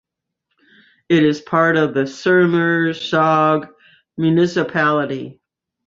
It is part of the Sermersooq municipality.